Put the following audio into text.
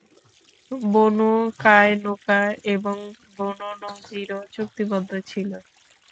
বনু Qaynuqa এবং Banu নযীরও চুক্তিবদ্ধ ছিল।